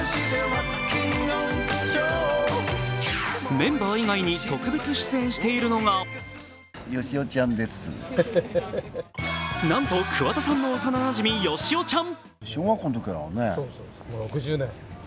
メンバー以外に特別出演しているのがなんと、桑田さんの幼なじみヨシオちゃん。